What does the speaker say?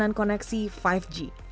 dan koneksi lima g